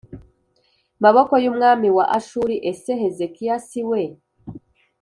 maboko y umwami wa Ashuri Ese Hezekiya si we